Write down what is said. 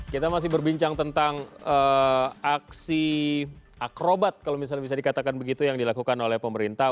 kita masih berbincang tentang aksi akrobat kalau misalnya bisa dikatakan begitu yang dilakukan oleh pemerintah